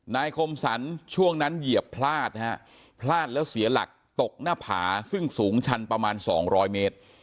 คมสรรช่วงนั้นเหยียบพลาดนะฮะพลาดแล้วเสียหลักตกหน้าผาซึ่งสูงชันประมาณ๒๐๐เมตร